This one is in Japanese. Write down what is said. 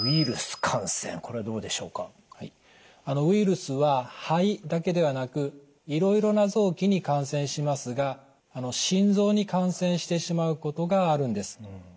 ウイルスは肺だけではなくいろいろな臓器に感染しますが心臓に感染してしまうことがあるんです。